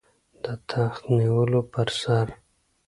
د تخت نیولو پر سر.